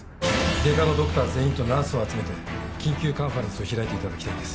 外科のドクター全員とナースを集めて緊急カンファレンスを開いて頂きたいんです。